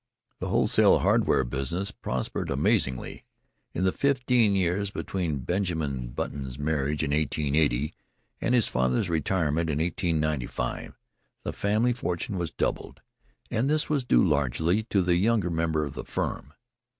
The wholesale hardware business prospered amazingly. In the fifteen years between Benjamin Button's marriage in 1880 and his father's retirement in 1895, the family fortune was doubled and this was due largely to the younger member of the firm.